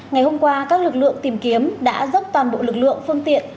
ngày hôm qua các lực lượng tìm kiếm đã dốc toàn bộ lực lượng phương tiện